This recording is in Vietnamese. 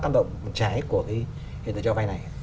tác động trái của hệ thống cho vai này